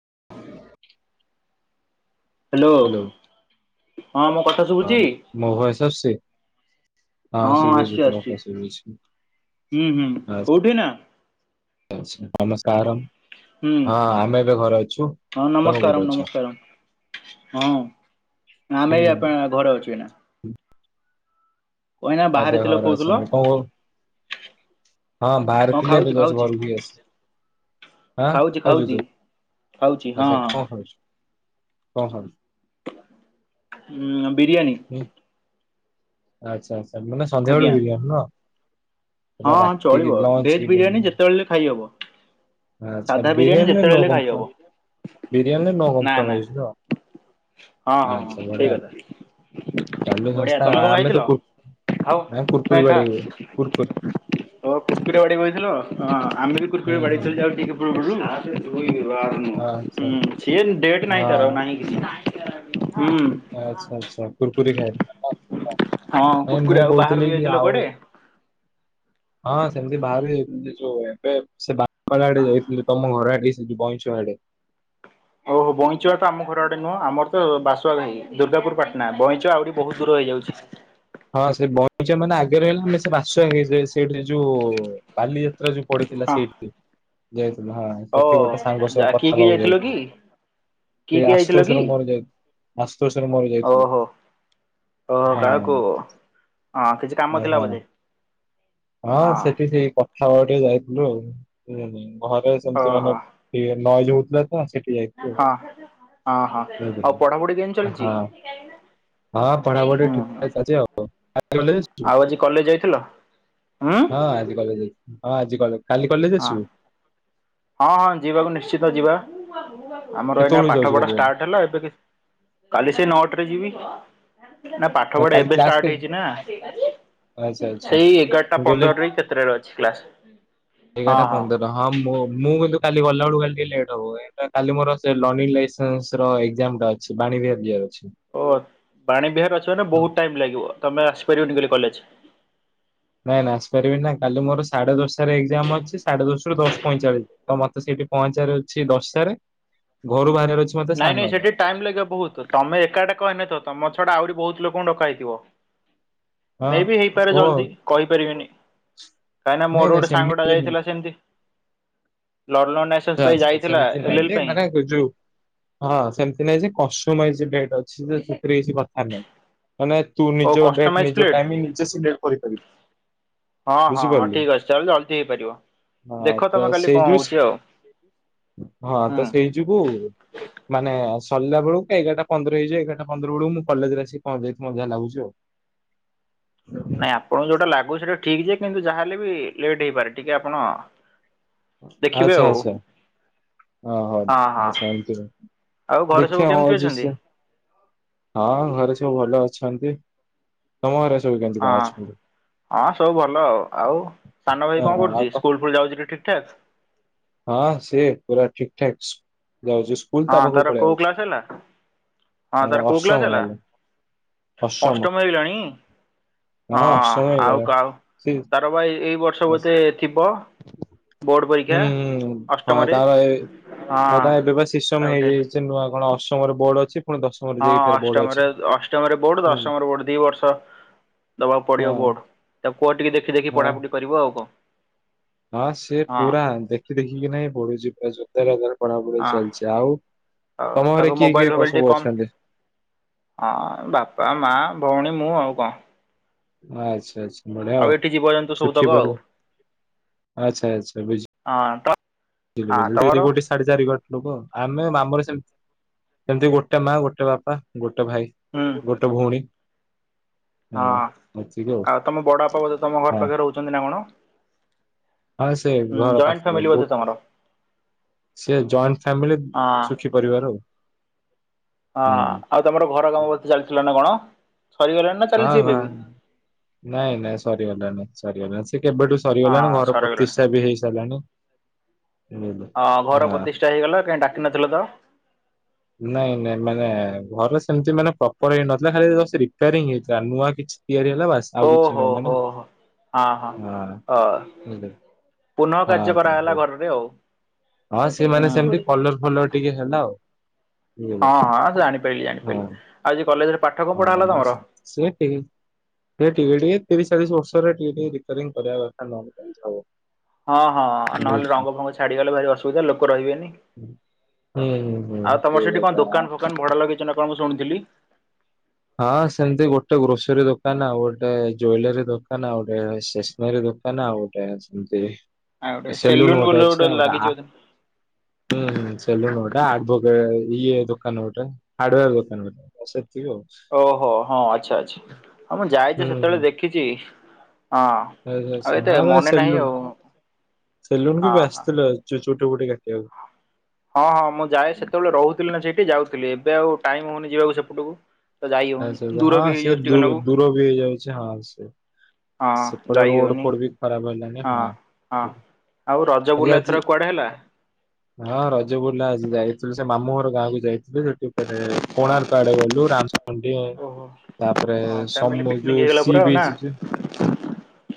[inaudible] Hello ହଁ ମୋ କଥା ଶୁଭୁଚି? ମୋ ଆସୁଛି? ହଁ ହଁ ଶୁଭୁଛି ଆସୁଚି ତୋ କଥା ଆସୁଚି। ଶୁଭୁଛି। ହୁଁ ହୁଁ କୋଉଠି ଏଇନା? ନମସ୍କାରମ। ହୁଁ ହଁ ତମେ କୋଉଠି ନମସ୍କାରମ୍ ଅଛ? ନମସ୍କାରମ୍। ହଁ ଆମେ ବି ହୁଁ। ଆପଣ ଘରେ ଅଛୁ ଏଇନା। ଏଇନା ବାହାରେ ଆଚ୍ଛା ଥିଲ ଘରେ କହୁଥିଲ ଅଛନ୍ତି। କଣ କ ହଁ ବାହାରେ ଥିଲେ, ଖାଉଛି ଏବେ ଜଷ୍ଟ ଖାଉଛି ଘରୁ ବି ଆସ, ଖାଉଛି ଖାଉଚୁ ଖାଉଛି ତୁ ଖାଉଛି ହଁ ଆଛା ହଁ। କଣ ଖାଉଚୁ? କ ଖାଉଚୁ? ହୁଁ। ବିରିୟାନୀ। ହୁଁ। ଆଚ୍ଛା ଆଛା। ମାନେ ସନ୍ଧ୍ୟା ବେଳୁ ବିରିୟାନି ନୁହ? ହଁଁ ହଁ ଚଳିବ ଭେଜ ବିରିୟାନୀ ଡିନର ଯେତେବେଳେ ଖାଇହବ। ଆଚ୍ଛା ସାଧା ବିରିୟାନୀ ବିରିୟାନୀରେ ଯେତେବେଳେ ନୋ ହେଲେ ଖାଇହବ କମ୍ପ୍ର, ବିରିୟାନୀରେ ନୋ ନା ନା କମ୍ପ୍ରରମାଇଜ୍ ନୋ। ହଁ ହଁ ହଁ ଆଛା ସେଇ ବଢିଆ କଥା ଚାଲୁ ବଢିଆ ସଂସ୍ଥା ତମେ କଣ ଆମେ ଖାଇଥିଲ ତ କୁର ଖାଅ ନା କୁରକୁରି ବାଡେଇବୁ କୁର୍ କୁର୍ ଓୋ କୁର କୁରି ରେ ବାଡେଇବ ଏଇ ଥର ହଁ। ଆମେ ବି କୁସ୍ର କୁରି ହୁଁ ହୁଁ। ବାଡେଇଥିଲ ଆଉ ଟିକେ ପୂର୍ବରୁ। ଆସେ ଶୋଇବେ। ତୁ ଆସେ ନୁହ ହଁ ଆଚ୍ଛା ହୁଁ ହୁଁ ସିଏ ଡେଟ ନାଇଁ ତାର ହଁ ନାହିଁ କିଛି। [unintelligible] ଆଚ୍ଛା ଆଚ୍ଛା କୁର୍ କୁରି ଖାଇ ହଁ ହଁ ମୁଁ କୁର୍କୁରେ ଆଉ କହୁଥିଲି ବାହାରକୁ କି ଯାଇଥିଲ ଆଉ କୁଆଡେ? ହଁ ସେମିତି ବାହରକୁ ଯଉ ଏବେ ଘର ଆଡେ ଯାଇଥିଲୁ ତମ ଘର ଆଡେ ବଇସ ଆଡ଼େ ଓହୋ ବଇଁଚୁଆ ତ ଆମ ଘର ଆଡେ ନୁହଁ, ଆମର ତ ବାସୁଘାାଇ ଦୁର୍ଗାପୁର ପାଟଣା, ବଇଁଚଆ ଆହୁରି ବହୁତ ଦୂର ହେଇଯାଉଚି । ହଁ ସେ ବଇଚ ମାନେ ର ହେଲେ ଆମେ ସେ ବାସ ସେଠି ଯୋଉ ବାଲିଯାତ୍ରା ଯଉ ପଡିଥିଲା ହଁ ସେଇଠି। ଜୟ ହଁ ଓ ସେଠି ଗୋଟେ ସାଙ୍ଗ ସହ କିଏ କିଏ କଥାହବାକୁ ଯାଇଥିଲ କି? ଯାଇଥିଲୁ, ସେ କିଏ କିଏ ଯାଇଥିଲ କି? ଆସତୋଶର ମୋର ଯାଇଥିକୁ, ଆସ୍ତୋଷର ମୋର ଯାଇଥିଲୁ ଓହୋ ଓହୋ ହଁ। କାହାକୁ ହଁ କିଛି କାମ ଏ ଥିଲା ହଁ। ବୋଧେ? ହଁ ସେଠି ସେଇ କଥାବ ଯାଇଥିଲୁ ଆଉ। ଓହୋ [unintelligible] [unintelligible] ସେଠି ଯାଇଥିଲୁ। ହଁ ହଁ ହଁ ମୁଁ ଆଉ ବୁଝିଲି ପଢାପଢି କେମତି ଚାଲିଛି, ହଁ ହଁ ପଢାପଢି ହଁ ଠିକ୍ ଠାକ୍ ଚାଲିଛି ଆଉ ଆଜି କଲେଜ ଆସିଛୁ ଆଉ ଆଜି କଲେଜ ଯାଇଥିଲ? ଉଁ ହଁ ଆଜି କଲେଜ ଯାଇଥିଲି, ହଁ ହ ଆଜି କଲେଜ କାଲି କଲେଜ ହଁ ଆସିବୁ? ହଁ ହଁ ଯିବାକୁ ନିଶ୍ଚିତ ଯିବା । ଆମର ଏଇନା କେତେବେଳକୁ ପାଠ ଯାଉଛୁ ପଢା କାଲି କଲେଜ ଷ୍ଟାର୍ଟ ହେଲା, ଏବେ କି କାଲି ସେ ନଅଟା ଟରେ ଯିବି। ନା ପାଠ ହଁ, ପଢା କାଲି ଏବେ କ୍ଲାସ କେ ଷ୍ଟାର୍ଟ ହେଇଛି ନା, ଆଚ୍ଛା ଆଚ୍ଛା ସେଇ ଏଗାରଟା ମୁଁ କହିଲି ପନ୍ଦରରେ କେତେଟାରେ ଅଛି କ୍ଲାସ ହଁ ଏଗାରଟା ହଁ। ପନ୍ଦର ମୁଁ ମୁଁ କିନ୍ତୁ କାଲି ଗଲାବେଳକୁ କାଲି ଟିକେ ଲେଟ୍ ହବ, କାଇଁ ନା କାଲି ମୋର ସେ ଲର୍ଣ୍ଣିଂ ଲାଇସେନ୍ସ ର ଏକ୍ଜାମ ଟା ଅଛି ବାଣି ବିହାର ଯିବାର ଅଛି । ଓ ବାଣୀ ବିହାର ଅଛ ତେ ବହୁତ ଟାଇମ ଲାଗିବ ତମେ ଆସିପାରିବନି କାଲି କଲେଜ। ନାଇଁ ନାଇ ଆସିପାରିବି ନାଁ କାଲି ମୋର ସାଢେ ଦଶଟା ଏକ୍ଜାମ ଅଛି ସାଢେ ଦଶ ଦଶ ପଇଁଚାଳିଶ ତ ମତେ ସେଠି ପହଞ୍ଚାର ଅଛି ଦଶଟାରେ, ଘରୁ ବାହାରାରେ ନାଇଁ ନାଇଁ ସେଠି ଟାଇମ ଲାଗିବ ବହୁତ ତମେ ଏକାଟିଆ କହିନେଥ ତମ ଛଡା ଆହୁରି ବହୁତ ଲୋକଙ୍କୁ ଡକା ହେଇଥିବ ହଁ । ମେ ବି ହେଇପାରେ ଓ ଜଲ୍ଦି କହିପାରିବିନି, କାହିଁକିନା ନାଇଁ ମୋର ନାଇଁ ଗୋଟେ ସାଙ୍ଗ ଟା ସେମିତି ଯାଇଥିଲା ସେମିତି ଲର୍ନିଙ୍ଗ ଲାଇସେନ୍ସ ଆଚ୍ଛା ପାଇଁ ଆଚ୍ଛା ଯାଇଥିଲା, ସେମିତି ନାଇଁ ଏଲ ଏଲ ଯେ ପାଇଁ ମାନେ ଯୋଉ ହଁ ସେମିତି ନାଇଁ ଯେ କଷ୍ଟମାଇଯ ଡେଟ୍ ଅଛି। ସେଥିରେ କିଛି କଥା ନାହିଁ, ମାନେ ତୁ ଓ ନିଜ ଡେଟ୍ କଷ୍ଟମାଇଜ୍ ନିଜ ପ୍ଲେଟ୍ ଟାଇମ ନିଜେ ସିଡୀଉଲ୍ କରିପାରିବୁ, ହଁ ହଁ ହଁ ବୁଝିପାରିଲୁ ଠିକ୍ ଅଛି ତାହେଲେ ଜଲ୍ଦି ହେଇପାରିବ। ହ ଦେଖ ତମେ ତ କାଲି ସେଇ କଣ ଯଉ ହଉଛି ଆଉ ହଁ ତ ହୁଁ। ସେଇ ଯୋଗୁ ମାନେ ସରିଲା ବେଳୁ ଏଗାରଟା ପନ୍ଦର ହେଇଯିବ ଏଗାରଟା ପନ୍ଦର ବେଳକୁ ମୁଁ କଲେଜ ରେ ଆସି ପହଞ୍ଚାଇଥିଲି ମତେ ଯାହା ଲାଗୁଛି ଆଉ। ନାଇଁ ଆପଣଙ୍କୁ ଯୋଉଟା ଲାଗୁଛି ସେଟା ଠିକ୍ ଯେ କିନ୍ତୁ ଯାହାହେଲେ ବି ଲେଟ୍ ହେଇପାରେ ଟିକେ ଆପଣ ଦେଖିବେ ଆଚ୍ଛା ଆଉ ଆଛା ହଁ ହଉ ଆଛା ଏତି ଆଉ ଘରେ ସବୁ ଦେଖିବା କେମିତି ହ ଅଛନ୍ତି? [unintelligible] ହଁ ଘରେ ସ ଭଲ ଅଛନ୍ତି ତମର ହଁ ହଁ ସବୁ ଭଲ, ଆଉ ସାନ ଭାଇ ଅ କଣ ଆଉ କରୁଛି ତ ସ୍କୁଲ ଫୁଲ୍ ଯାଉଛି ତ ଠିକ ଠାକ? ହଁ ସେ ପୁରା ଠିକ ଠାକ୍ସ ହଁ ତାର କୋଉ କ୍ଳାସ ହେଲା, ହଁ ତାର କୋଉ କ୍ଳାସ ହେଲା? ଅଷ୍ଟମ ହେଇଗଲାଣି? ହଁ ଅଷ୍ଟମ ଆଉ ହେଇଗଲା କଉ ସେ ତାର ଭାଇ ଏଇ ବର ହୁଁ ଗୋତେ ଥିବ ବୋର୍ଡ ପରୀକ୍ଷା ହୁଁ ହଁ ଅଷ୍ଟମରେ ତା ମ ଗୋଟେ ହେଇଯାଇଛି ନୂଆ କଣ ୟରେ ବୋର୍ଡ ଅଛି ପୁଣି ଦଶମରେ ହଁ ଯାଇକି ଫେରେ ବୋର୍ଡ ଅଛି ଅଷ୍ଟମରେ ଅଷ୍ଟମରେ ବୋର୍ଡ ହୁଁ ଦଶମ ବୋର୍ଡ ଦି ବର୍ଷ ଦବାକୁ ହଁ ପଡିବ ବୋର୍ଡ ତାକୁ କୁହ ଟିକେ ଦେଖି ଦେଖି ହଁ ପଢାପଢି କରିବ ଆଉ କଣ। ହଁ ସିଏ ହଁ ପୁରା ଦେଖି ଦେଖିକି ନାହିଁ ବଢିଯିବ ଯୋ [unintelligible] ହଁ ଆଉ ତମ ଘରେ ତାକୁ କିଏ କିଏ ମୋବାଇଲ କ- ଫୋବାଇଲ ସବୁ ଟିକେ ଅଛନ୍ତି କମ, ହଁ ବାପା ମା ଭଉଣୀ ମୁଁ ଆଉ। ୱା। ଆଚ୍ଛା ଆଚ୍ଛା। ଆଉ ଏଠି ଜୀବଜନ୍ତୁ ସୁଖୀ ସବୁତକ। ପରିବାର ଆ [unintelligible] ତି ଗୋଟେ ସାଢେ ଚାରି ଘଟ ଲୋକ ଆମେ ଆମର ସେମତି ଗୋଟେ ମା ଗୋଟେ ବାପା ଗୋଟେ ଗୋଟେ ଭାଇ, ହୁଁ ଗୋଟେ ଭଉଣୀ ହଁ ଆଉ ତମ ବଡ ବାପା ବୋଧେ ତମ ହଁ ଘର ପାଖରେ ରହୁଛନ୍ତି ନା କଣ? ହଁ ସେ ହୁଁ ଘର ଜଏଣ୍ଟ ପାଖରେ ଫ୍ୟାମିଲି ବୋଧେ ବହୁତ, ତମର। ସେ ଜଏଣ୍ଟ ଫ୍ୟାମିଲି ହଁ ସୁଖୀ ପରିବାର ହଁ ହୁଁ। ଆଉ ତମର ଘର କାମ ବ ଚାଲିଥିଲା ନା କଣ? ସରିଗଲାଣି ନା ହଁ ଚାଲିଛି ହଁ ଏବେ ବି ନାଇଁ ନାଇଁ ସରିଗଲାଣି ସରିଗଲା ସେ କେବେଠୁ ହଁ ସରିଗଲାଣି ଘର ସରିଗଲାଣି। ପ୍ରତିଷ୍ଠା ବି ହେଇ ସାରିଲାଣି। ହଁ ହ ଘର ପ୍ରତିଷ୍ଠା ହେଇଗଲା କାହିଁ ଡାକି ନଥିଲ ତ ନାଇଁ ନାଇଁ ମାନେ ଘରେ ସେମତି ମାନେ ପ୍ରପର ହେଇନଥିଲା ଖାଲି ଜଷ୍ଟ ରିପାରିଂ ହେଇ ଜା ନୂଆଁ କିଛି ତିଆରି ହେଲା ବାସ ଆଉ କିଛି ଓହୋ ନୁହଁ, ମାନେ ହୋ ହୋ। ହଁ ଅ ହଁ ତ ପୁନଃ କାର୍ଯ୍ୟ କରାଗଲା ହଉ ଘରରେ ଆଉ। ହଁ ସେମାନେ ହୁଁ ସେମତି କଲର ଫଲର ଟିକେ ହେଲା ଆଉ। ବୁଝିଲେ ହଁ ହଁ ଜାଣିପାରିଲି ଜାଣିପାରିଲି ଆଉ ଯେ କଲେଜରେ ପାଠ କଣ ପଢା [unintelligible] ହେଲା ତମର? ସଚାଳିଶ ବର୍ଷରେ ଟିକେ ଟିକେ ରିପେୟାରିଙ୍ଗ କରିବା କଥା ନ ହେଲେ କେମିତି ହବ। ହଁ ହଁ ନହେଲେ ବୁଝୁଛି। ରଙ୍ଗ ଫଙ୍ଗ ଛାଡିଗଲେ ଭାରି ଅସୁବିଧା ଲୋକ ରହିବେନି ହୁଁ ହୁଁ ହୁଁ ।ଆଉ ତମର ସେଇ ସେଠି କଣ କଥା ଦୋକାନ ଫୋକାନ ଭଡା ଲଗେଇଛ ନା କଣ ମୁ ଶୁଣିଥିଲି? ହଁ ସେମତି ।ଗୋଟେ ଗ୍ରୋସରୀ ଦୋକାନ ଆଉ ଗୋଟେ ଜୁଏଲୋରୀ ଦୋକାନ ଆଉ ଗୋଟେ ଷ୍ଟେସନାରୀ ଦୋକାନ ଆଉ ଗୋଟେ ସେମତି ଆଉ ଗୋଟେ ସେଲୁନ ଗଟେ ବୋଲି ଅଛି ଗୋଟେ ଆଉ। ଲାଗିଛି ବୋଧେ। ହୁଁ ହୁଁ ସେଲୁନ ଗଟେ ଆଡଭୋକେ ଇଏ ଦୋକାନ ଗୋଟେ, ହାର୍ଡୱାର ଦୋକାନ ଗୋଟେ, ସେତିକ ଆଉ। ଓହୋ ହଁ ଆଚ୍ଛା ଅଚ୍ଛି ଆଉ ମୁଁ ହୁଁ ଯାଇଛି ହୁଁ ସେତେବେଳେ ଦେଖିଛି। ହଁ। ଆଉ ଏତେ [unintelligible] ମନେ ନାହିଁ ଆଉ ଚୁଟି ହଁ ହଁ। ଫୁଟି କାଟିବାକୁ ହଁ ହଁ ମୁଁ ଯାଏ, ସେତେବେଳେ ରହୁଥିଲି ନା ସେଇଠି ଯାଉଥିଲି। ଏବେ ଆଉ ଟାଇମ ହଉନି ଯିବାକୁ ସେପଟକୁ। ତ ଯାଇ ଆଛା ହଉନି ଦୂର ହଁ ବି ସେ ହେଇଯାଉଛି ଟିକେ ଦୂ ନାକୁ ଦୂର ବି ହେ ହେଇଯାଉଚି ହଁ ସେ ହଁ ସେପଟେ ଯାଇ ରୋଡ ହୋଉନି ଫୋଡ ବି ଖରାପ ହେଲାଣି ହଁ, ହଁ, ଆଉ ରଜ ଆଜି ବୁଲା ଆଜି ଏଥର କୁଆଡେ ହେଲା? ଯ ବୁଲା ଆଜି ଯାଇଥିଲୁ ସେ ମାମୁ ଘର ଗାଁକୁ ଯାଇଥିଲୁ ସେଠି ଫେରେ ହଁ କୋଣାର୍କ ଆଡେ ଗଲୁ, ରାମଚଣ୍ଡୀ ଓହୋ ତାପରେ ହଁ ଫ୍ୟାମିଲି ସମୁ ପିକନିକ୍ ଯୋଉ ହେଇଗଲା ସି ପୁରା ଆଉ ନା? ବିଚ୍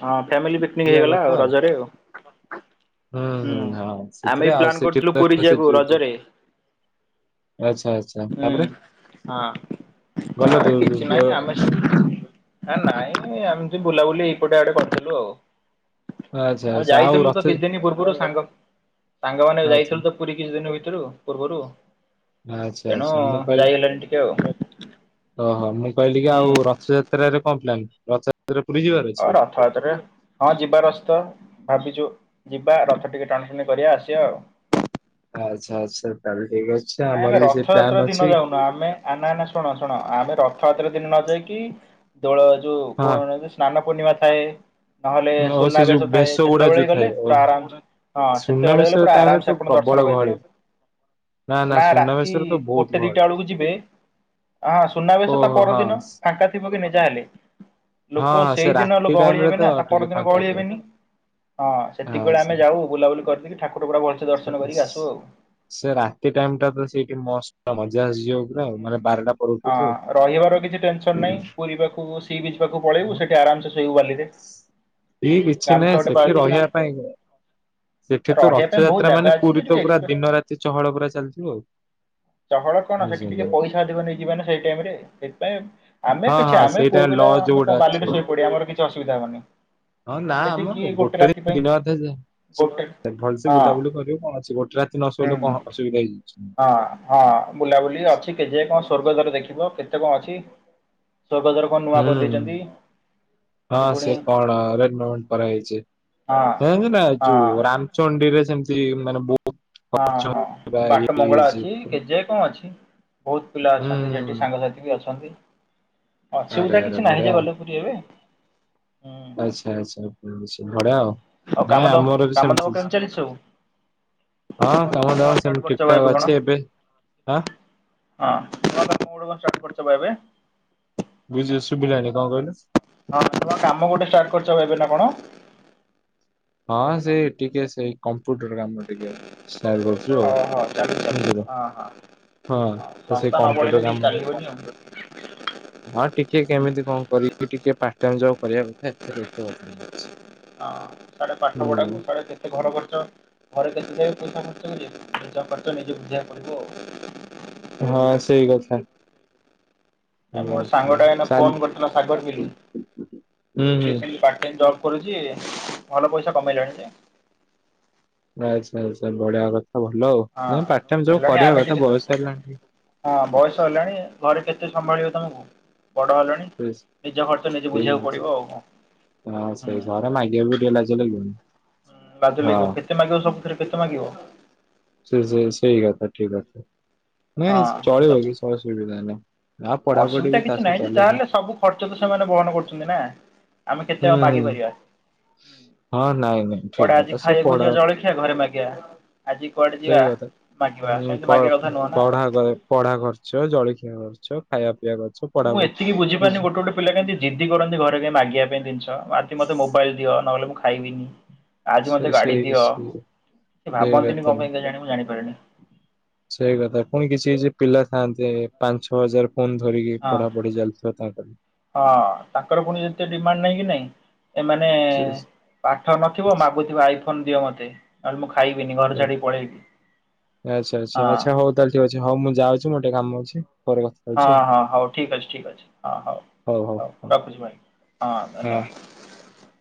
ହଁ ଫ୍ୟାମିଲି ପିକନିକ ଯିବା ହେଇଗଲା କଥା ଆଉ, ରଜରେ ଆଉ। ହୁଁ ହଁ ଆମେ ସେଥିରେ ବି ଆଉ ପ୍ଲାନ ସେଠି କରୁଥିଲୁ ତ ପୁରୀ ସେ ଯିବାକୁ ଯୋଉ ଦୋ- ରଜରେ, ଆଚ୍ଛା ଆଚ୍ଛା ହୁଁ ତାପରେ ହଁ, ଗଲ ତୁ କିଛି ନାଇଁ ଆମେ [inaudible] ନାଇଁ ଏମି ବୁଲାବୁଲି ଏଇପଟେ ଆଡେ କରିଥିଲୁ ଆଉ। ଆଛା ଆମେ ଆଛା ଆଉ ଯାଇଥିଲୁ ର କିଛି ଦିନ ତ ପୂର୍ବରୁ ସାଙ୍ଗ ସାଙ୍ଗମାନେ ଯାଇଥିଲୁ ତ ପୁରୀ କିଛି ଦିନ ଭିତ ରୁ ପୂର୍ବରୁ ଆଚ୍ଛା ତେଣୁ ଆଚ୍ଛା ମୁଁ କହିଲି ଯାଇ ହେଲାନି ଟିକେ ଆଉ ଓହୋ ମୁଁ କହିଲି କି ହୁଁ ଆଉ ରଥଯାତ୍ରାରେ କଣ ପ୍ଲାନ୍ ରଥା ଆ ରଥଯାତ୍ରା ହଁ ଯିବାର ଅଛି ତ। ଭାବିଚୁ ଯିବା ରଥ ଟିକେ ଟାଣିଟଣି କରିବା ଆସିବା ଆଉ । ଆଛା ଆଛା ତାହାଲେ । ନାଇଁ ଆମେ ରଥଯାତ୍ରା ଦିନ ଯାଉନୁ ଆମେ ନା ନା ଶୁଣ ଶୁଣ ଆମେ ରଥ ତରେ ଦିନ ନ ଯାଇକି ଦୋଳ ଯଉ କ ହଁ ସ୍ନାନ ପୂର୍ଣିମା ଥାଏ। ନହେଲେ ଆଉ ସେ ଯୋଉ ସୁନାବେଶ ଥାଏ ଭେଷ ଗୁଡା ।ସେତେବେଳେ ଯୋଉ ଥାଏ ଗଲେ ପୁରା ଓହୋ ଆରାମସେ ହଁ ସେତେବେଳେ ସୁନାବେଶ ଗଲେ ପୁରା ଟାଇମରେ ଆରାମସେ ତ ଆପଣ ପ୍ରବଳ ଦର୍ଶନ ଗହଳି କରିପାରିବେ। ନା ରାତି ସୁନାବେଶରେ ତ ବହୁତ ଗୋଟେ ଗହଳି ଦିଟା ବେଳକୁ ଯିବେ ହଁ ସୁନାବେଶ ତା ଓହୋ ହଁ ହଁ ପରଦିନ ଫାଙ୍କା ଥିବ କି ନାଇଁ ଜାହେଲେ। ଲୋକ ହଁ ସେ ସେଇଦିନ ଲୋକ ରାତି ଗହଳି ଟାଇମରେ ହେବେ ତ ନା ତା ଟିକେ ପରଦିନ ଫାଙ୍କା ଗହଳି ଥାଏ। ହେବେନି ହଁ ହଁ ସେତିକିିବେଳେ ସେ ଆମେ ଯାଉ ବୁଲାବୁଲି କରିଦେଇକି ଠାକୁର ପୁରା ଭଲସେ ସେ ଦର୍ଶନ କରିକି ଆସୁ ଆଉ। ରାତି ସେ ଟାଇମ ଟା ପୁରା ସେଇିଠି ମସ୍ତ୍ ମଜା ଆସିଯିବ ପୁରା ଆଉ ମାନେ ବାରଟା ପରଠୁଠୁ ହଁ ରହିବାର କିଛି ଟେନସନ ନାହିଁ ପୁରୀ ପାଖକୁ ସିବିଚ ପାକୁ ପଳେଇୁଵୁ ସେଠି ଆରାମସେ ସୋ କିଛି ନାହିଁ ଗୋଟେ ସେଠି ପାଉଛୁ କି ନା ରହିବା ପାଇଁ ସେଠି ତ ରହିବା ପାଇଁ ବହୁତ ରଥଯାତ୍ରା ଜାଗା ମାନେ ଅଛି ଯେ ପୁରୀ ଟିକେ ତ ପୁରା ଏକ୍ସପେ ଦିନ ରାତି ଚହଳ ପୁରା ଚାଲିଥିବ ଆଉ। ଚହଳ କଣ ସେଠି ଟିକେ ପଇସା ଅଧିକ ନେଇଯିବେ ନା ସେଇ ଟାଇମ ରେ ସେଥିପାଇଁ ଆମେ ହଁ କିଛି ହଁ ନାଇ ଆମେ ସେଇଟା ପୁଅ ପିଲା ଲଜ ଆମେ ଯୋଉଗୁଡା କଣ ସବୁ ବାଲିରେ ଶୋଇ ପଡିଆ ଆମର କିଛି କିଛି ଅସୁବିଧା ହବନି। ହଁ ନା ସେଠି ଆମର କିଏ ଗୋଟେ ରାତି ପାଇଁ ଦିନ ଗୋଟେ କଥା ଭଲସେ ହଁ ବୁଲାବୁଲି କରିବ କଣ ଅଛି ଗୋଟେ ରାତି ନ ଶୋଇଲେ ହୁଁ। କଣ ଅସୁବିଧା ହେଇଯାଉଛି। ହଁ ହଁ ବୁଲାବୁଲି ଅଛି କେଜି ହ ସ୍ୱର୍ଗଦ୍ୱାର ଦେଖିବ କେତେ କଣ ଅଛି। ସ୍ୱର୍ଗଦ୍ୱାର କଣ ନୂଆ ହୁଁ କରିଦେଇଛନ୍ତି ହଁ ସେଠି ପୁଣି ସେ କଣ ନୂଆ କରା ହେଇଚି ହଁ [unintelligible] ଯଉ ହଁ। ରାମଚନଡିରେ ସେମ ମାନେ ବହୁ ହଁ ହଁ ବାଟ ମଙ୍ଗଳା ହେଇଛି ଅଛି ହୁଁ କେଜେ କଣ ଅଛି ବହୁତ ପିଲା ଅଛନ୍ତି ସେଠି ହୁଁ ସାଙ୍ଗସାଥି ବି ଅଛନ୍ତି। ଆରେ ଅସୁବିଧା ଆରେ କିଛି ନାହିଁ ଯେ ବଢିଆ ଗଲେ ପୁରୀ ଏବେ ଆଚ୍ଛା ଆଚ୍ଛା ବୁଝିଲି। ବଢିଆ ଆଉ। ଆଉ ନାଇଁ କାମ ଦାମ ଆମର ବି କାମ ସେମିତି ଦାମ କେମିତି ଚାଲିଛି ସବୁ? ହଁ କାମ ନୂଆ ଦାମ ଷ୍ଟାର୍ଟ ସେମିତି କରିଛ ଠିକ ବା ଠାକ କଣ ଅଛି ଏବେ ହଁ। ଚ ବା ଏବେ? ବୁଝି ଶୁବିଲାନି କଣ କହିଲୁ? ହଁ ତ କାମ ଗୋଟେ ଷ୍ଟାର୍ଟ କରିଛ ଏଵେ ନା କଣ? ହଁ ସେ ଟିକେ ସେଇ କ କମ୍ପ୍ୟୁଟର କାମ ଟିକେ ଷ୍ଟାର୍ଟ କରିଛୁ ଆଉ ଓହୋ ଚାଲୁ ଚାଲୁ ବୁଝିଲୁ ହଁ ହଁ। ହଁ ସେ ସଂସ୍ଥା ନ କମ୍ପୁଟର ବଢ଼େଇଲେ କିଛି କାମ ଚାଲିବନି ଆଉ। ହଁ ଟିକେ ହୁଁ କେମିତି କଣ କରିକି ଟିକେ ପା ପାଟ ଟାଇମ ଜବ କରିବାଥା ଏଥିରେ ଏତେ କଥା କିଛି ନାଇଁ । ହଁ। ସ଼ାଡେ ପାଠ ପଢ଼ାକୁ ସ଼ାଡେ କେତେ ଘର ଖର୍ଚ୍ଚ ଘରେ କେତେ ପଇସା ଖର୍ଚ୍ଚ କରିବେ ନିଜ ଖର୍ଚ୍ଚ ନିଜେ ବୁଝିବାକୁ ପଡିବ ଆଉ। ହଁ ସେଇ କଥା। ଆ ସେଇ ମୋର କଥା ସାଙ୍ଗଟା ଏନା ଚାଲ ଫୋନ୍ କରିଥିଲା ସାଗର ଵୋଲି ହୁଁ ହୁଁ ସେ ସେମିତି ପାର୍ଟ ଟାଇମ୍ ଜବ କରୁଛି ଭଲ ପଇସା କମେଇଲାଣି ଯେ। ଆଚ୍ଛା ଆଚ୍ଛା ବଢିଆ କ ହଁ ହେଲାଣି ଆମେ ବୟସ ହେଲାଣି ଟିକେ ହଁ ବୟସ ହେଲାଣି ଘରେ କେତେ ସମ୍ଭାଳିବ ତମକୁ ବଡ଼ ହେଲଣି [unintelligible] ହଁ ନିଜ ଖର୍ଚ୍ଚ ନିଜେ ବୁଝିବାକୁ ପଡ଼ିବ ଆଉ କଣ ହୁଁ। ସେଇ ଘରେ ମାଗିବାକୁ ଟିକେ ଲାଜ ଲାଗିବ। ହଁ ଲାଜ ଲାଗିବ କେତେ ମାଗିବ ସବୁ କେତେ ମାଗିବ। ସେ ସେ ସେଇ କଥା ଠିକ କଥା। ନାଇଁ ହଁ ଠିକ୍ କଥା। ଚଳିବ କିଛି ଅସୁବିଧା ନାଇ। ଅସୁବିଧା କିଛି ନାହିଁ ଯେ ଯାହାହେଲେ ସବୁ ଖର୍ଚ୍ଚ ତ ସେମାନେ ବହନ କରୁଛନ୍ତି ନା। ଆମେ ହୁଁ କେତେ ଆଉ ହୁଁ ମାଗିପାରିବା। ହଁ ନାଇଁ ନାଇଁ ଠିକ କୁଆଡ଼େ ଆଜି କଥା ସେ ଖାଇବାକୁ ପଢା ଯିବା ଜଳଖିଆ ଘରେ ମାଗିବା ଆଜି କୁଆଡ଼େ ଯିବା ଠିକ ମାଗିବା କଥା ସେମିତି ମାଗିବା କଥା ନୁହଁ ନା ପଢ ପଢା ଖର୍ଚ ଜଳିକ୍ଷା ଛ ଖାଇବା ପିଇବା ଖର୍ଚ୍ଚ ଆ ମୁଁ ପଢାପଢି ଏତିକି ବୁଝି ପାରୁିନି ସେ ଗୋଟେ ଗୋଟେ ପିଲାତି ଜିଦି କରନ୍ତି ଘରେ କଁ ମାଗିବା ପାଇଁ ଜିନିଷ ମତେ ମୋବାଇଲ ଦିଅ ନହେଲେ ମୁଁ ଖାଇବିନି ଆଜି ମତେ ଗାଡି ସେଇ ଦିଅ ସେଇ ସେ ସେଇ ଭାବନ୍ତିନି କଥା କଣ ପାଇଁ କେଜାଣି ମୁଁ ଜାଣିପାରୁିନି। ସେଇ କଥା ପୁଣି କିଛି କିଛି ପିଲା ଥାଆନ୍ତି ପାଞ୍ଚ ଛଅ ହଜାର। ଫୋନ ଧରିକି ହଁ ପଢାପଢି ଚାଲିଥିବ ତାଙ୍କର ହଁ ତାଙ୍କର ପୁଣି ଯେତେ ଡିମାଣ୍ଡ ନାହିଁ କି ନାଇଁ। ଏମାନେ ସେ- ପାଠ ନଥିବ ସେ- ମାଗୁଥିବା ଆଇ ଫୋନ ଦିଅ ମତେ ନହେଲେ ମୁଁ ଖାଇବିନି ଘର ଛାଡି ପଳେଇବି ଆଚ୍ଛା ଆଚ୍ଛା ହଁ। ଆଚ୍ଛା ହଉ ତାହେଲେ ଠିକ ଅଛି ହଉ ମୁଁ ଯାଉଛି ମୋର ଟିକେ କାମ ଅଛି ପରେ କଥା ହଉଛି ହଁ ଆଉ ହଁ ହଉ ଠିକ ଅଛି ଠିକ ଅଛି ହଁ ହଉ ହଉ ରଖୁଛି ଭାଇ ହଁ ଧନ୍ୟବାଦ।